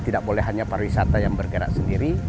tidak boleh hanya para wisata yang bergerak sendiri